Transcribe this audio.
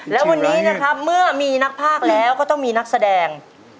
และวันนี้นะครับเมื่อมีนักภาคแล้วก็ต้องมีนักแสดง